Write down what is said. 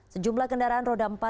sejumlah kenaikan terjadi di kota palu